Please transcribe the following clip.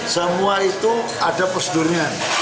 semua itu ada prosedurnya